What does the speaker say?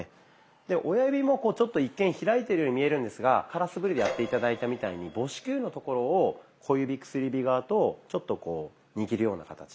親指もちょっと一見開いてるように見えるんですが空素振りでやって頂いたみたいに母指球のところを小指・薬指側とちょっとこう握るような形。